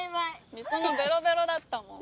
美園ベロベロだったもん。